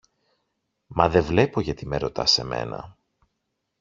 Μα δε βλέπω γιατί με ρωτάς εμένα